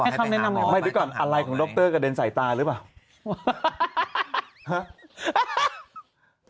แล้วก็ดรให้คำแนะนำเหรอว่าอะไรไกลกับดรเกดนสายตรอ่ะหรือป่าว